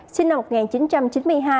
sinh năm một nghìn chín trăm chín mươi hai